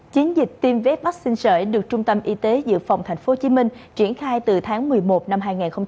chiến dịch tiêm vét vắc xin sởi được trung tâm y tế dự phòng tp hcm triển khai từ tháng một mươi một năm hai nghìn một mươi tám